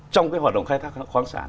trong cái hoạt động khai thác khoáng sản